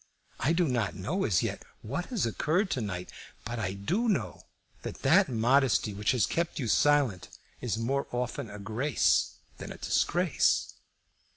I do not know as yet what has occurred to night; but I do know that that modesty which has kept you silent is more often a grace than a disgrace."